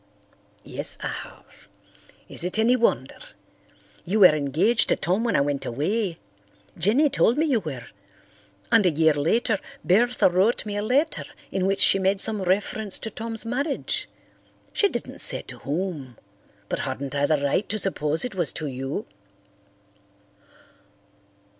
"Yes, I have. Is it any wonder? You were engaged to Tom when I went away, Jenny told me you were. And a year later Bertha wrote me a letter in which she made some reference to Tom's marriage. She didn't say to whom, but hadn't I the right to suppose it was to you?"